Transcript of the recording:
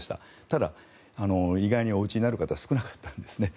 ただ、意外にお打ちになる方少なかったんですね。